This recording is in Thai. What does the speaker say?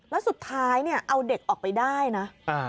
แล้วสุดท้ายเนี่ยเอาเด็กออกไปได้นะ